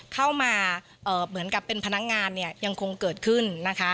เข้ามาเหมือนกับเป็นพนักงานเนี่ยยังคงเกิดขึ้นนะคะ